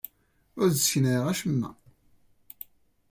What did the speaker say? Ur d-sseknayeɣ acemma.